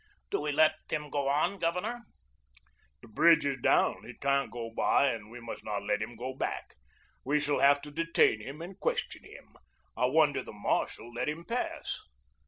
"Do we let him go on, Governor?" "The bridge is down. He can't go by and we must not let him go back. We shall have to detain him and question him. I wonder the marshal let him pass."